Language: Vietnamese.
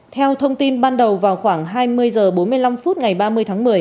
theo thông tin ban đầu vào khoảng hai mươi h bốn mươi năm phút ngày ba mươi tháng một mươi